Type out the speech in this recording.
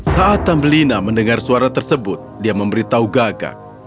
saat tambelina mendengar suara tersebut dia memberitahu gagak